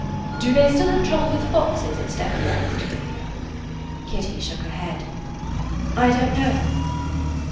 "Do they still have trouble with foxes at Steppy End?" Kitty shook her head. "I don't know."